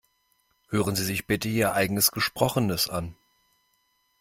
Hören Sie sich bitte Ihr eigenes Gesprochenes an.